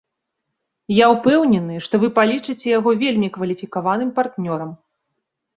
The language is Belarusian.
Я ўпэўнены, што вы палічыце яго вельмі кваліфікаваным партнёрам.